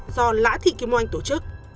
do lã thị kim oanh tổ chức